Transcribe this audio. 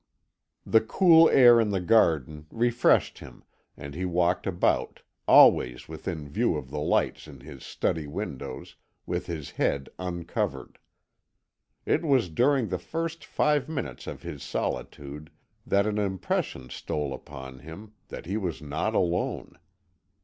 The cool air in the gardens refreshed him, and he walked about, always within view of the lights in his study windows, with his head uncovered. It was during the first five minutes of his solitude that an impression stole upon him that he was not alone.